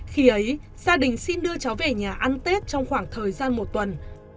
khi ấy gia đình xin đưa cháu về nhà ăn tết trong khoảng thời gian một tuần